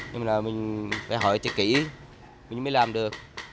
nhưng mà mình phải hỏi chật kỹ mình mới làm được